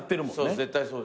絶対そうでしょ。